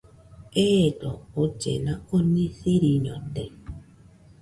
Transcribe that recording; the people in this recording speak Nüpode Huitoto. Eedo ollena oni siriñote.